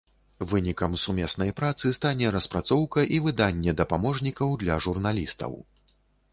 Вынікам сумеснай працы стане распрацоўка і выданне дапаможнікаў для журналістаў.